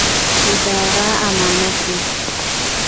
اداره امانت دی